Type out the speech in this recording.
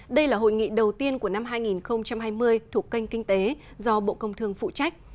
đây là hội nghị đầu tiên của năm hai nghìn hai mươi thuộc kênh kinh tế do bộ công thương phụ trách